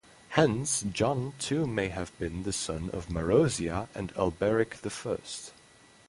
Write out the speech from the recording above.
Hence John too may have been the son of Marozia and Alberic the First.